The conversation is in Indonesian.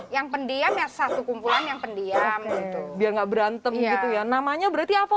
yang pendiam yang satu kumpulan yang pendiam gitu biar nggak berantem gitu ya namanya berarti apa